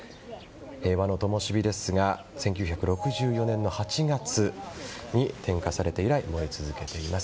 平和の灯ですが１９６４年の８月に点火されて以来燃え続けています。